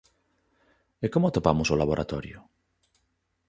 E como atopamos o laboratorio?